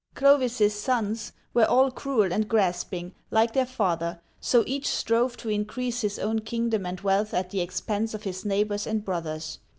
Clovis's sons were all cruel and grasping, like their father, so each strove to increase his own kingdom and wealth at the expense of his neighbors and brothers.